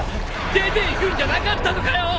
出ていくんじゃなかったのかよ！？